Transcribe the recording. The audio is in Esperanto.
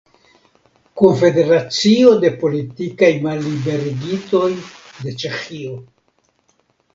Konfederacio de politikaj malliberigitoj de Ĉeĥio.